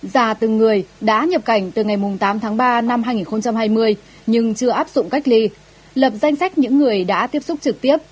già từng người đã nhập cảnh từ ngày tám tháng ba năm hai nghìn hai mươi nhưng chưa áp dụng cách ly lập danh sách những người đã tiếp xúc trực tiếp